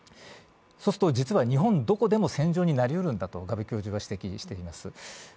実は日本どこでも戦場になり得るんだと我部教授は指摘しています。